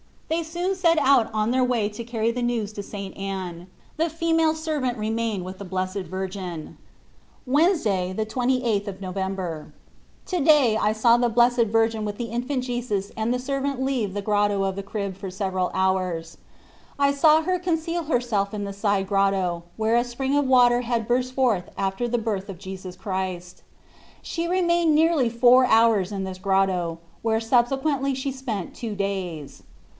They soon set out on their way to carry the news to St. Anne. The female servant remained with the Blessed Virgin. Wednesday, the 28th of November. To day I saw the Blessed Virgin with the Infant Jesus and the servant leave the Grotto of the Crib for several hours. I saw her conceal herself in the side grotto, where a spring of water had burst forth after the birth of Jesus Christ. She re mained nearly four hours in this grotto, where subsequently she spent two days.